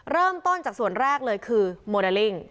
เริ่มต้นจากส่วนแรกเลยคือโมเดลลิ่ง